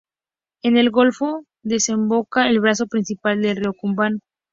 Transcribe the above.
En el golfo desemboca el brazo principal del río Kubán.